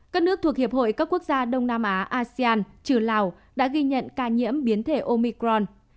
các nước thuộc hiệp hội các quốc gia đông nam á asean trừ lào đã ghi nhận ca nhiễm biến thể omicron